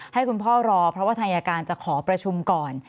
ให้คุณพ่อรอเพราะว่าทางอายการจะขอประชุมก่อน